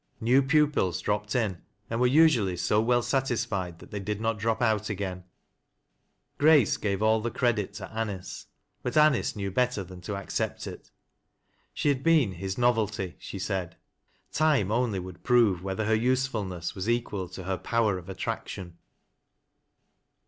New pupils dropped in, and were usually so well satisiied that they did not drop out again. G rftce i^ave all the credit to Anice, but Anice knew better thaT> to accept it. She had been his " novelty " she said ; time only would prove whether her usefulness was equal to hor power of attraction.